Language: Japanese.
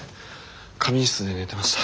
仮眠室で寝てました。